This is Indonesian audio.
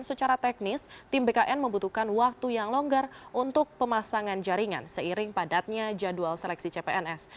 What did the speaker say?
secara teknis tim bkn membutuhkan waktu yang longgar untuk pemasangan jaringan seiring padatnya jadwal seleksi cpns